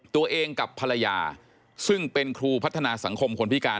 ตัวเองกับภรรยาซึ่งเป็นครูพัฒนาสังคมคนพิการ